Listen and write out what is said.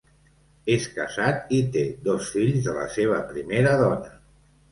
És casat i té dos fills de la seva primera dona.